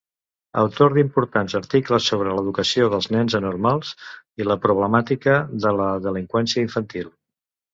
Autor d'importants articles sobre l'educació dels nens anormals i la problemàtica de la delinqüència infantil.